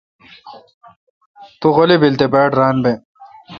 تو غیلی بیل تے باڑ ران بہ۔